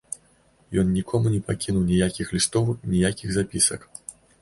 Ён нікому не пакінуў ніякіх лістоў, ніякіх запісак.